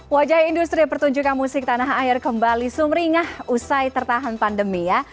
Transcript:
wajah industri pertunjukan musik tanah air kembali sumringah usai tertahan pandemi ya